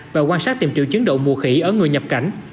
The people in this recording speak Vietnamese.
và quan sát tìm triệu chứng đầu mùa khỉ ở người nhập cảnh